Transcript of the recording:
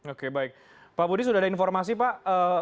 oke baik pak budi sudah ada informasi pak